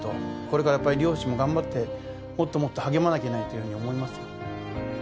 これからやっぱり漁師も頑張ってもっともっと励まなきゃなというふうに思いますね。